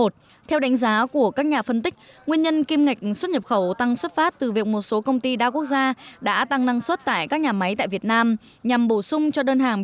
theo đánh giá của các nhà phân tích nguyên nhân kim ngạch xuất nhập khẩu tăng xuất phát từ việc một số công ty đa quốc gia đã tăng năng suất tại các nhà máy tại việt nam nhằm bổ sung cho đơn hàng bị thiếu hụt do các nhà máy ở trung quốc bị đóng cửa